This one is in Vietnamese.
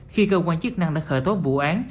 khi cơ quan chức năng đã khởi tố vụ án